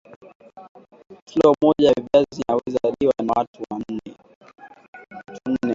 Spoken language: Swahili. kilo moja ya viazi inaweza liwa na watu nne